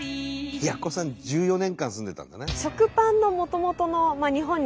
やっこさん１４年間住んでたんだね。